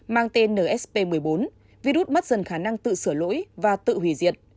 mang tên nsp một mươi bốn virus mất dần khả năng tự sửa lỗi và tự hủy diệt